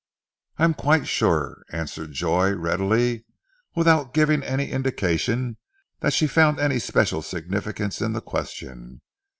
"I am quite sure," answered Joy readily, without giving any indication that she found any special significance in the question.